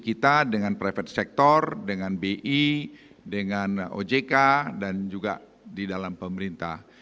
kita dengan private sector dengan bi dengan ojk dan juga di dalam pemerintah